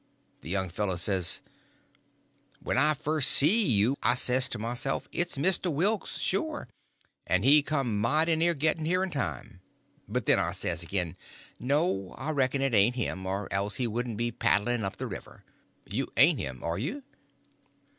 The young fellow says: "When I first see you I says to myself, 'It's Mr. Wilks, sure, and he come mighty near getting here in time.' But then I says again, 'No, I reckon it ain't him, or else he wouldn't be paddling up the river.' You ain't him, are you?"